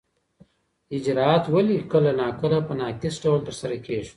اجرات ولي کله ناکله په ناقص ډول ترسره کیږي؟